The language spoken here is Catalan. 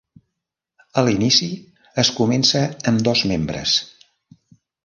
A l'inici es comença amb dos membres.